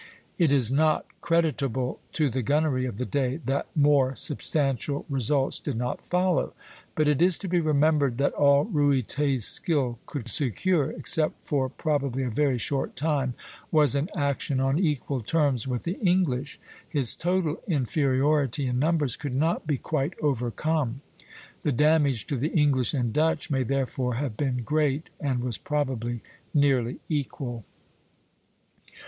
It is not creditable to the gunnery of the day that more substantial results did not follow; but it is to be remembered that all Ruyter's skill could secure, except for probably a very short time, was an action on equal terms with the English; his total inferiority in numbers could not be quite overcome. The damage to the English and Dutch may therefore have been great, and was probably nearly equal.